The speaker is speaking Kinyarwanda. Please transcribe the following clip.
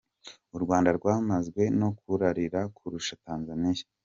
U Rwanda rwaranzwe no kurarira kurusha Tanzania.